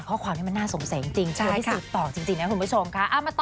ข้อความนี้มันน่าสงสัยจริงชวนพิสูจน์ต่อจริงนะคุณผู้ชมค่ะ